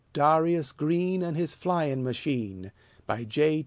DARIUS GREEN AND HIS FLYING MACHINE BY J.